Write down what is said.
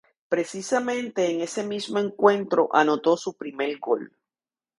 Precisamente en ese mismo encuentro anotó su primer gol.